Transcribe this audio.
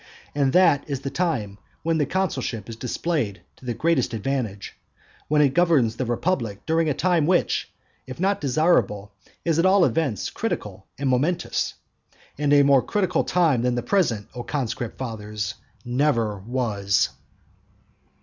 And that is the time when the consulship is displayed to the greatest advantage, when it governs the republic during a time which, if not desirable, is at all events critical and momentous. And a more critical time than the present, O conscript fathers, never was.